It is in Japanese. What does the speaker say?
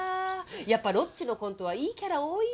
やっぱロッチのコントはいいキャラ多いわ。